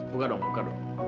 buka dong buka